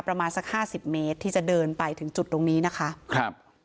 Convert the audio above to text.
ประมาณสักห้าสิบเมตรที่จะเดินไปถึงจุดตรงนี้นะคะครับ